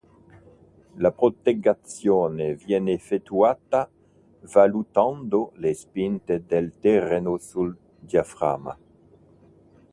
La progettazione viene effettuata valutando le spinte del terreno sul diaframma.